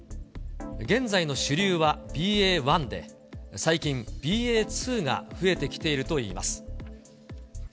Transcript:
現在の主流はＢＡ．１で、最近、ＢＡ．２が増えてきているといいます。